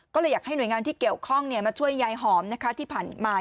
ก็เลยอยากให้หน่วยงานที่เกี่ยวข้องมาช่วยยายหอมนะคะที่ผ่านมา